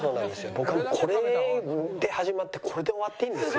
僕これで始まってこれで終わっていいんですよ。